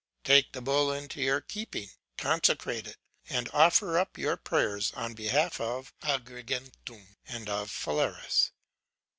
Take the bull into your keeping; consecrate it; and offer up your prayers on behalf of Agrigentum and of Phalaris.